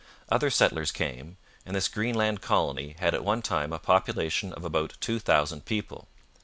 Other settlers came, and this Greenland colony had at one time a population of about two thousand people.